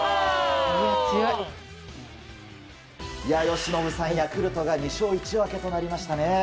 由伸さん、ヤクルトが２勝１分けとなりましたね。